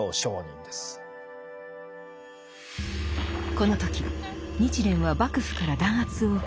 この時日蓮は幕府から弾圧を受け